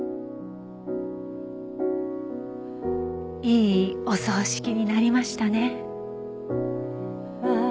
いいお葬式になりましたね。